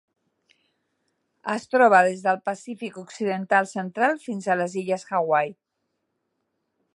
Es troba des del Pacífic occidental central fins a les illes Hawaii.